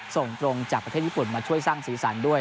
ส่งตรงจากประเทศญี่ปุ่นมาช่วยสร้างสีสันด้วย